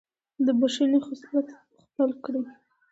د بښنې خصلت خپل کړئ.